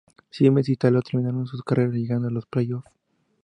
Simms y Taylor terminaron sus carreras llegando a los playoffs.